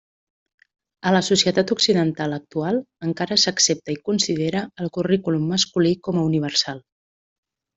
A la societat occidental actual encara s'accepta i considera el currículum masculí com a universal.